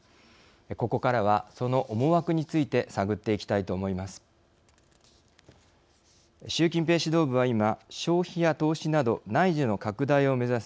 ここからは、その思惑について探っていきたいと思います。